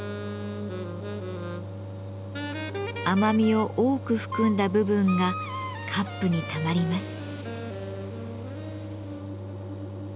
甘みを多く含んだ部分がカップにたまります。